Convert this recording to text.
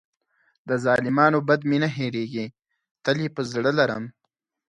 د ظالمانو بد مې نه هېرېږي، تل یې په زړه لرم.